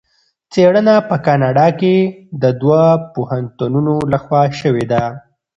څېړنه په کاناډا کې د دوه پوهنتونونو لخوا شوې ده.